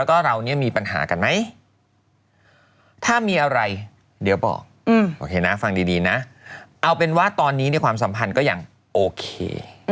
โอเคนะฟังดีนะเอาเป็นว่าตอนนี้ในความสัมพันธ์ก็อย่างโอเค